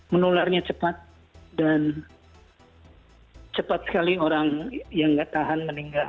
menularnya cepat dan cepat sekali orang yang nggak tahan meninggal